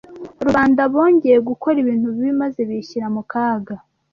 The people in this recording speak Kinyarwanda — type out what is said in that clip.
rubanda bongeye gukora ibintu bibi maze bishyira mu kaga